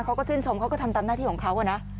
เขาก็ชื่นชมเขาก็ทำตามหน้าที่ของเขานะ